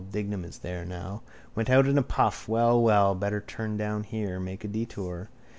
Dignam is there now. Went out in a puff. Well, well. Better turn down here. Make a detour.